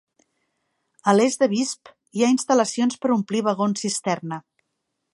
A l'est de Visp, hi ha instal·lacions per omplir vagons cisterna.